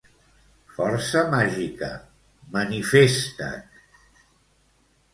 Força màgica, manifesta't.